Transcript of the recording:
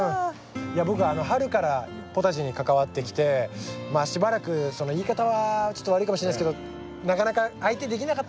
いや僕春からポタジェに関わってきてまあしばらく言い方は悪いかもしれないですけどなかなか相手できなかったんですよ。